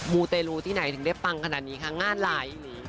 ูเตรลูที่ไหนถึงได้ปังขนาดนี้คะงานหลาย